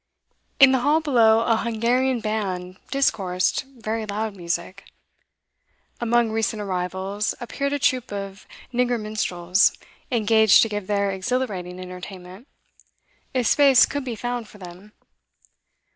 In the hall below a 'Hungarian band' discoursed very loud music. Among recent arrivals appeared a troupe of nigger minstrels, engaged to give their exhilarating entertainment if space could be found for them.